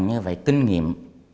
như vậy kinh nghiệm